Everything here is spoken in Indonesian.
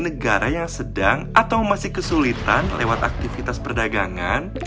negara yang sedang atau masih kesulitan lewat aktivitas perdagangan